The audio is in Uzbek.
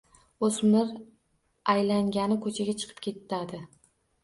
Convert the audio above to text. O‘smir aylangani ko‘chaga chiqib ketadi.